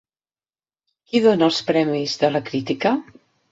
Qui dona els premis de la Crítica?